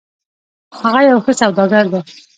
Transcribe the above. هغه یو ښه سوداګر ده